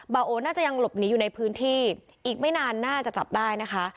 โอน่าจะยังหลบหนีอยู่ในพื้นที่อีกไม่นานน่าจะจับได้นะคะ